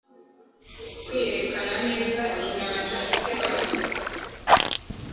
kwiyerekana neza, inyanja isebanya